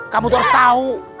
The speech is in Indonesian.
kamu tuh harus tau